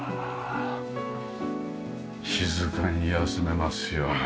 静かに休めますよね。